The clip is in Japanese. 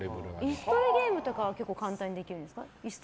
椅子取りゲームとかは簡単にできるんですか。